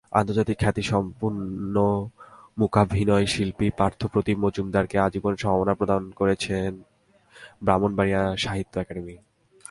আন্তর্জাতিক খ্যাতিসম্পন্ন মূকাভিনয়শিল্পী পার্থ প্রতিম মজুমদারকে আজীবন সম্মাননা প্রদান করেছে ব্রাহ্মণবাড়িয়া সাহিত্য একাডেমী।